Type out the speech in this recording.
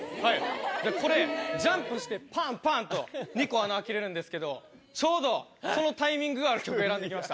じゃあこれ、ジャンプしてぱーんぱーんと、２個穴開けられるんですけど、ちょうどそのタイミングがある曲、選んできました。